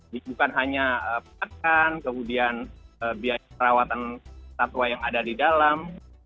bukan hanya pakan kemudian biaya perawatan satwa yang ada di dalam